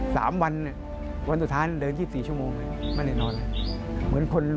สามวันวันสุดท้านเดิน๒๔ชั่วโมงมันแน่นอน